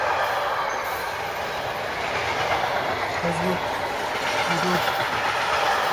রাষ্ট্রপতি ও সংসদের মেয়াদ বৃদ্ধি এবং রাষ্ট্রপতি অপসারণ পদ্ধতি জটিল করা হয়েছিল।